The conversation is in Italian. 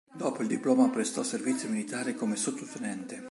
Dopo il diploma, prestò servizio militare come sottotenente.